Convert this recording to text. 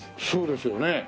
そうですよね。